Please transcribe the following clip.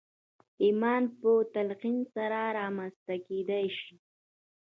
ايمان په تلقين سره رامنځته کېدای شي.